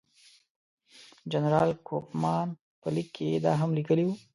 جنرال کوفمان په لیک کې دا هم لیکلي وو.